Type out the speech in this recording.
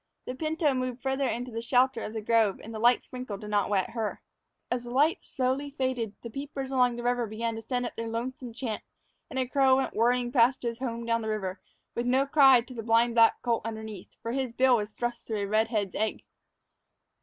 The pinto moved farther into the shelter of the grove and the light sprinkle did not wet her. As the light slowly faded the peepers along the river began to send up their lonesome chant, and a crow went whirring past to his home down the river, with no cry to the blind black colt underneath, for his bill was thrust through a redhead's egg.